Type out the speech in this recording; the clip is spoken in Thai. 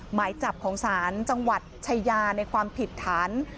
หมายจับของศาลจังหวัดชายาในความผิดฐาน